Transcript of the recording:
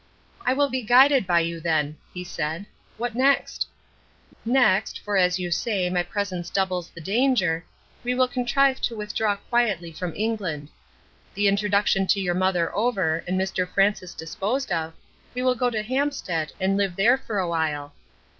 "I will be guided by you, then," he said. "What next?" "Next for, as you say, my presence doubles the danger we will contrive to withdraw quietly from England. The introduction to your mother over, and Mr. Francis disposed of, we will go to Hampstead, and live there for a while.